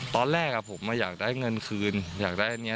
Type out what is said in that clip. ตอนแรกผมอยากได้เงินคืนอยากได้อันนี้